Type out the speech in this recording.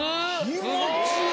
気持ちいい！